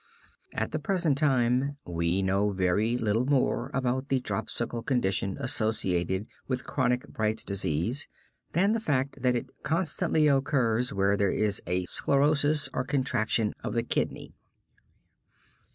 At the present time we know very little more about the dropsical condition associated with chronic Bright's disease than the fact that it constantly occurs where there is a sclerosis or contraction of the kidney.